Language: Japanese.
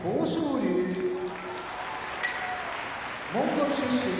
龍モンゴル出身